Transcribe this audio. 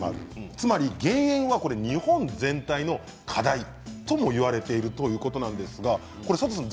つまり減塩は日本全体の課題とも言われているということなんですが佐藤さん